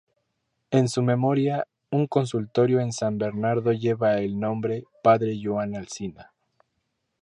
En su memoria, un consultorio en San Bernardo lleva el nombre "Padre Joan Alsina".